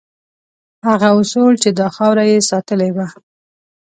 هغه اصول چې دا خاوره یې ساتلې وه.